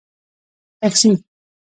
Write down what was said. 🚖 ټکسي